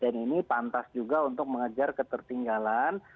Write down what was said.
dan ini pantas juga untuk mengejar ketertinggalan